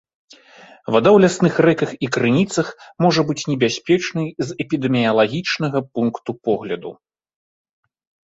Вада ў лясных рэках і крыніцах можа быць небяспечнай з эпідэміялагічнага пункту погляду.